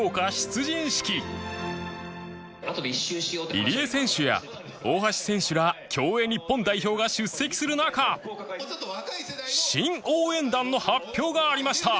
入江選手や大橋選手ら競泳日本代表が出席する中新応援団の発表がありました